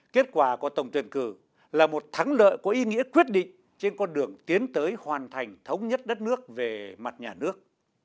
kết quả của tổng tuyển cử là một thắng lợi có ý nghĩa quyết định trên con đường tiến tới hoàn thành thống nhất đất nước về mặt nhà nước